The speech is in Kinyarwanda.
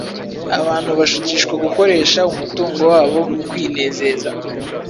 Abantu bashukishwa gukoresha umutungo wabo mu kwinezeza,